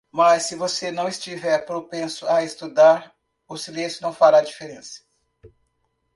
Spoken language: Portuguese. Mas se você não estiver propenso a estudar, o silêncio não fará diferença.